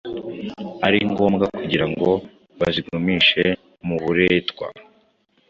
ari ngombwa kugira ngo bazigumishe mu buretwa.